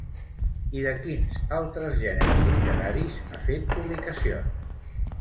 I de quins altres gèneres literaris ha fet publicacions?